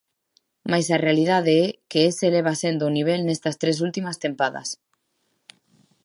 Mais a realidade é que ese leva sendo o nivel nestas tres últimas tempadas.